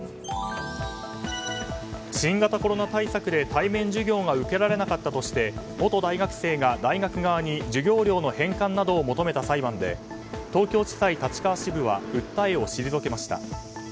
新型コロナ対策で対面授業が受けられなかったとして元大学生が大学側に授業料の返還などを求めた裁判で東京地裁立川支部は訴えを退けました。